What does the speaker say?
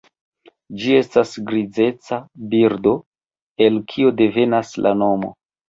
Ĝi estas grizeca birdo, el kio devenas la nomo.